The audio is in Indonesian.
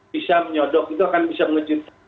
bisa menyodok itu akan bisa mengejutkan